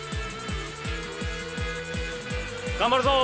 頑張るぞ！